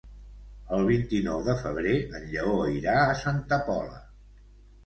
El vint-i-nou de febrer en Lleó irà a Santa Pola.